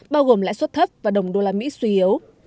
bao gồm lãi suất thấp và đồng đô la mỹ suy yếu